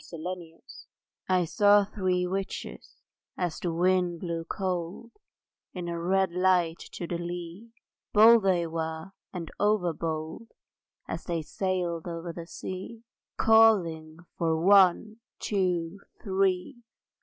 ONE, TWO, THREE I saw three witches as the wind blew cold In a red light to the lee; Bold they were and over bold As they sailed over the sea; Calling for One, Two, Three!